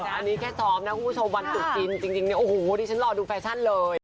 อันนี้แค่ซ้อมนะคุณผู้ชมวันตรุษจีนจริงเนี่ยโอ้โหดิฉันรอดูแฟชั่นเลย